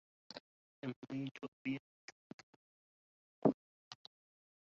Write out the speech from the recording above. أمليت أبياتا تدل على القلى